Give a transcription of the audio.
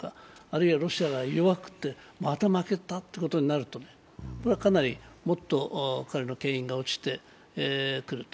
あるいはロシアが弱くて、また負けたということになると、かなりもっと彼の権威が落ちてくると。